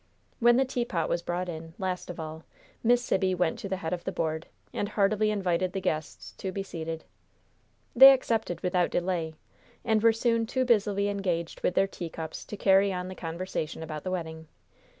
When the teapot was brought in, last of all, Miss Sibby went to the head of the board, and heartily invited the guests to be seated. They accepted without delay. And were soon too busily engaged with their teacups to carry on the conversation about the wedding.